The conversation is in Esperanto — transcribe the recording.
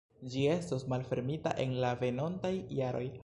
Ĝi estos malfermita en la venontaj jaroj.